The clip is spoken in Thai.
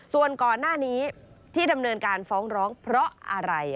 ส่วนก่อนหน้านี้ที่ดำเนินการฟ้องร้องเพราะอะไร